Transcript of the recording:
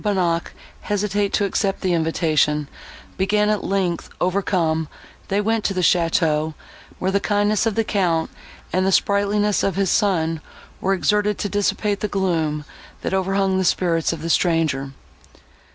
Bonnac hesitate to accept the invitation, being at length overcome, they went to the château, where the kindness of the Count and the sprightliness of his son were exerted to dissipate the gloom, that overhung the spirits of the stranger.